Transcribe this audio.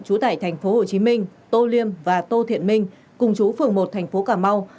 chú tải tp hcm tô liêm và tô thiện minh cùng chú phường một tp cà mau